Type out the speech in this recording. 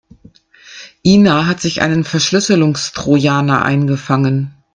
Ina hat sich einen Verschlüsselungstrojaner eingefangen.